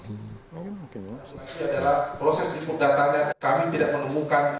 ini adalah proses infop datangnya kami tidak menemukan